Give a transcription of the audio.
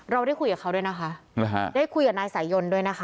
เราได้คุยกับเขาด้วยนะคะได้คุยกับนายสายยนด้วยนะคะ